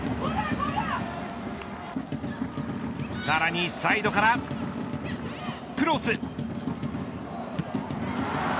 さらにサイドからクロス。